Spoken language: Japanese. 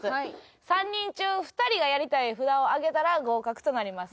３人中２人がやりたい札を上げたら合格となります。